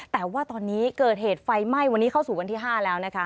แต่ว่าตอนนี้เกิดเหตุไฟไหม้วันนี้เข้าสู่วันที่๕แล้วนะคะ